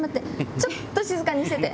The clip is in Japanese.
ちょっと静かにしてて！